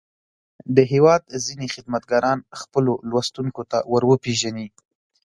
د هېواد ځينې خدمتګاران خپلو لوستونکو ته ور وپېژني.